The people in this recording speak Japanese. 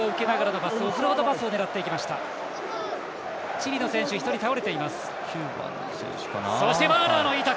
チリの選手、１人倒れています。